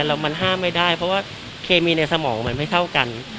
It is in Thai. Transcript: แล้วมันห้ามไม่ได้เพราะว่าเคมีในสมองมันไม่เท่ากัน